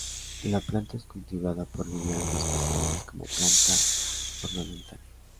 La planta es cultivada por viveros especiales como planta ornamental.